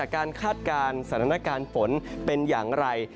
คาดการณ์สถานการณ์ฝนเป็นอย่างไร